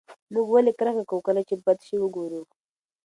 موږ ولې کرکه کوو کله چې بد شی وګورو؟